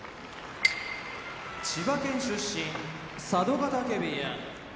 千葉県出身佐渡ヶ嶽部屋